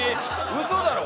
ウソだろ！